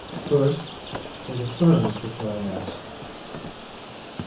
First for the terms which I ask.